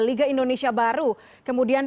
liga indonesia baru kemudian